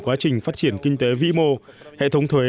quá trình phát triển kinh tế vĩ mô hệ thống thuế